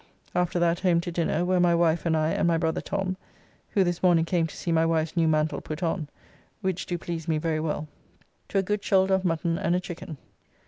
After that home to dinner, where my wife and I and my brother Tom (who this morning came to see my wife's new mantle put on, which do please me very well), to a good shoulder of mutton and a chicken.